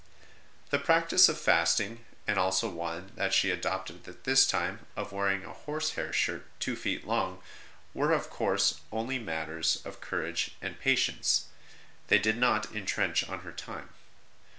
The practice of fasting, and also one that she adopted at this time of wearing a horse hair shirt two feet long, were of course only matters of 86 ST. ROSE OF LIMA courage and patience; they did not intrench on her time.